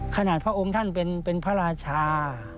พระองค์ท่านเป็นพระราชา